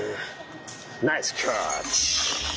ナイスキャッチ。